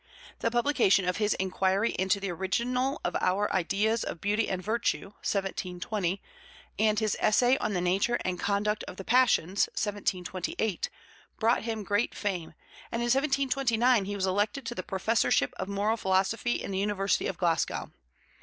The publication of his Inquiry into the Original of our Ideas of Beauty and Virtue (1720) and his Essay on the Nature and Conduct of the Passions (1728) brought him great fame, and in 1729 he was elected to the professorship of moral philosophy in the University of Glasgow.